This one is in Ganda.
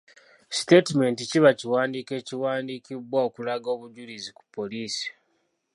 Sitaatimenti kiba kiwandiiko ekiwandiikibwa okulaga obujulizi ku ppoliisi.